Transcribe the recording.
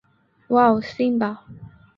Wow, Simba!